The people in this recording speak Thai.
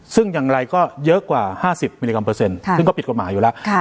ซึ่งอย่างไรก็เยอะกว่า๕๐มิลลิกรัมเปอร์เซ็นต์ซึ่งก็ผิดกฎหมายอยู่แล้ว